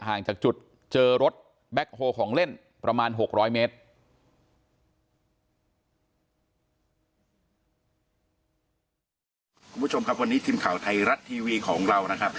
ห่างจากจุดเจอรถแบคโหลของเล่นประมาณ๖๐๐เมตร